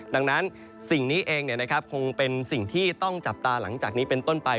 ดังนั้นสิ่งนี้เองคงเป็นสิ่งที่ต้องจับตาหลังจากนี้เป็นต้นไป